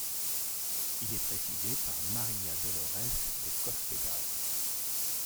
Il est présidé par María Dolores de Cospedal.